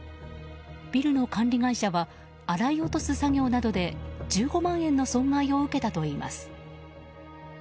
ビルの管理会社は洗い落とす作業などで１５万円の損害を受けたといいます。